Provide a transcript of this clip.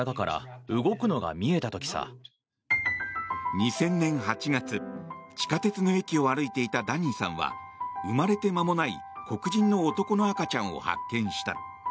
２０００年８月地下鉄の駅を歩いていたダニーさんは生まれて間もない黒人の男の赤ちゃんを発見した。